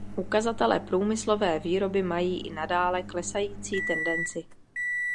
Ukazatele průmyslové výroby mají i nadále klesající tendenci.